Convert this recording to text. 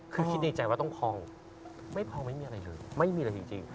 คือคิดในใจว่าต้องพอไม่พอไม่มีอะไรเลยไม่มีเลยจริง